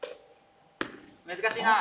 難しいな。